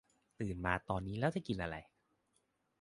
ตื่นมาตอนนี้แล้วจะกินอะไร